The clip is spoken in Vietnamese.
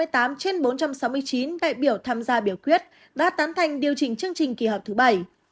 bốn trăm sáu mươi tám trên bốn trăm sáu mươi chín đại biểu tham gia biểu quyết đã tán thành điều chỉnh chương trình kỳ họp thứ bảy